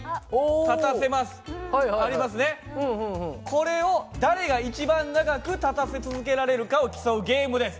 これを誰が一番長く立たせ続けられるかを競うゲームです。